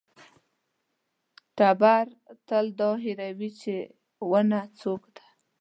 تبر تل دا هېروي چې ونه څوک ده.